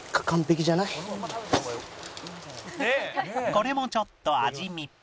これもちょっと味見